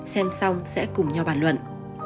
xem xong sẽ cùng nhau bàn luận